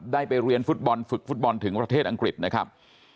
ได้ไปเรียนฟุตบอลฝึกฟุตบอลถึงประเทศอังกฤษนะครับ